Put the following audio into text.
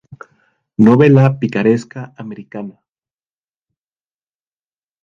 Novela picaresca americana".